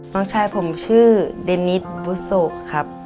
น้องชายผมชื่อเดนิสบุโสครับ